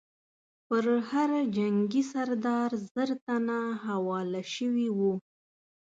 پر هر جنګي سردار زر تنه حواله شوي وو.